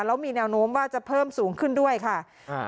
แล้วมีแนวโน้มว่าจะเพิ่มสูงขึ้นด้วยค่ะอ่า